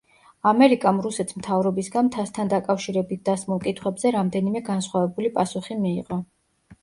ამერიკამ რუსეთს მთავრობისგან მთასთან დაკავშირებით დასმულ კითხვებზე რამდენიმე განსხვავებული პასუხი მიიღო.